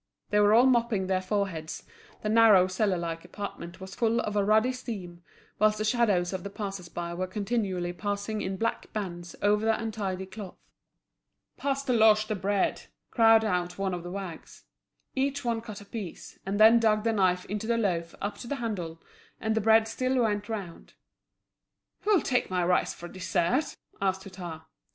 They were all mopping their foreheads, the narrow cellar like apartment was full of a ruddy steam, whilst the shadows of the passers by were continually passing in black bands over the untidy cloth. "Pass Deloche the bread," cried out one of the wags. Each one cut a piece, and then dug the knife into the loaf up to the handle; and the bread still went round. "Who'll take my rice for a dessert?" asked Hutin.